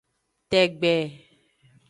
Tegbe.